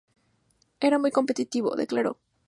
Era muy competitivo", declaró.